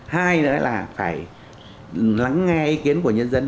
hai nữa là phải lắng nghe ý kiến của nhân dân